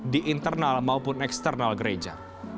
di internal maupun eksternal gereja